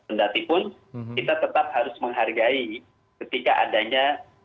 tendatipun kita tetap harus menghargai ketika adanya